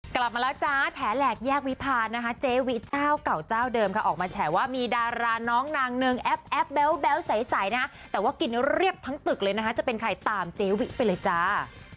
กลับมาแล้วจ้าแฉแหลกแยกวิพานะคะเจวิเจ้าเก่าเจ้าเดิมค่ะออกมาแฉว่ามีดาราน้องนางนึงแอปแบ๊วใสนะแต่ว่ากินเรียบทั้งตึกเลยนะคะจะเป็นใครตามเจวิไปเลยจ้า